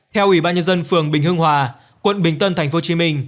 theo ủy ban nhân dân phường bình hưng hòa quận bình tân tp hcm